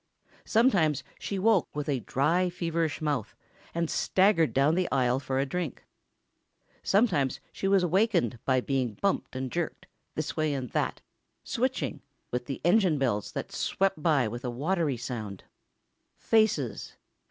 Sometimes she woke with a dry, feverish mouth, and staggered down the aisle for a drink. Sometimes she was awakened by being bumped and jerked, this way and that, switching, with engine bells that swept by with a watery sound. Faces